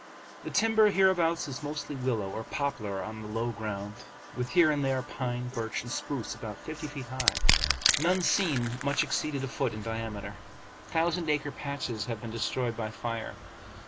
The timber hereabouts is mostly willow or poplar on the low ground, with here and there pine, birch, and spruce about fifty feet high. None seen much exceeded a foot in diameter. Thousand acre patches have been destroyed by fire.